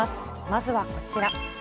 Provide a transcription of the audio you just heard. まずはこちら。